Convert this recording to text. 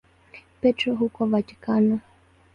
Petro huko Vatikano.